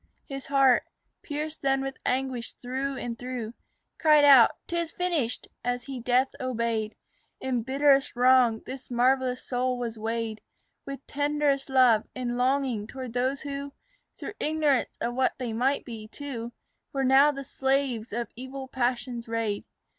His heart, pierced then with anguish through and through, Cried out "'Tis finished," as he death obeyed. In bitterest wrong this marvellous soul was weighed With tenderest love and longing towards those who, Through ignorance of what they might be too, Were now the slaves of evil passion's raid.